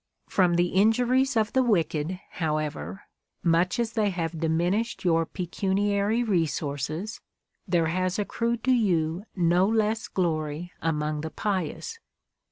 From the injuries of the wicked, however, much as they have diminished your pecuniary re sources, there has accrued to you no less glory among the pious.